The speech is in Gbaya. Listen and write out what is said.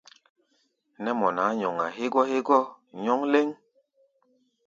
Nɛ́ mɔ nʼaá nyɔŋa hégɔ́ hégɔ́ nyɔ́ŋ léŋ.